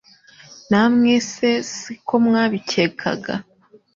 Namwe se si ko mwabikekaga?